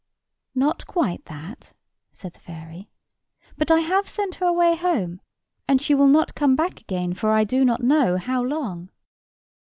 "Not quite that," said the fairy; "but I have sent her away home, and she will not come back again for I do not know how long."